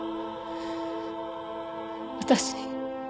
私